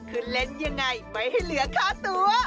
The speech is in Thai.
คือเล่นยังไงไม่ให้เหลือค่าตัว